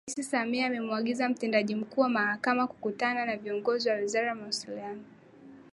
Rais Samia amemuagiza Mtendaji Mkuu wa Mahakama kukutana na viongozi wa Wizara ya Mawasiliano